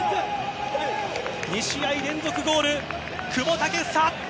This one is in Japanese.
２試合連続ゴール久保建英！